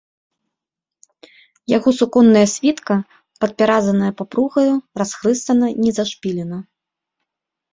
Яго суконная світка, падпяразаная папругаю, расхрыстана, не зашпілена.